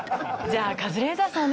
じゃあカズレーザーさん